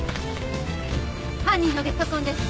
犯人のゲソ痕です。